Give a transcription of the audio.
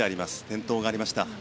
転倒がありました。